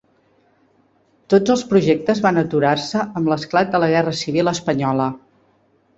Tots els projectes van aturar-se amb l'esclat de la Guerra civil espanyola.